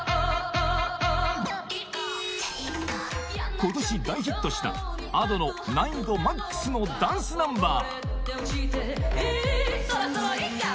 今年大ヒットした Ａｄｏ の難易度マックスのダンスナンバー